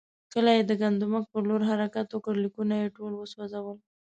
کله یې د ګندمک پر لور حرکت وکړ، لیکونه یې ټول وسوځول.